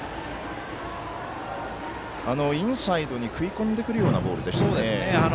インサイドに食い込んでくるようなボールでしたね。